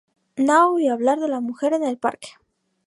Nao y hablar de la mujer en el parque.